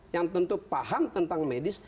yang tentu paham tentang medis